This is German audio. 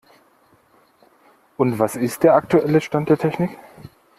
Und was ist der aktuelle Stand der Technik.